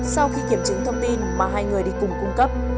sau khi kiểm chứng thông tin mà hai người đi cùng cung cấp